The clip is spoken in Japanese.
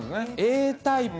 Ａタイプ。